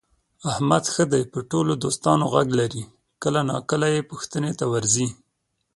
احمد ښه دی په ټول دوستانو غږ لري، کله ناکله یې پوښتنې ته ورځي.